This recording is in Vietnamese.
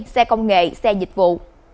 xe công nghệ xe dịch vụ